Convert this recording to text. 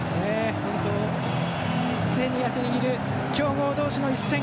本当に手に汗握る強豪同士の一戦